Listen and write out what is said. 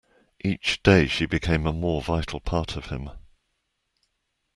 Each day she became a more vital part of him.